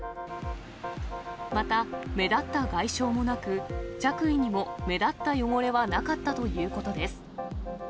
また目立った外傷もなく、着衣にも目立った汚れはなかったということです。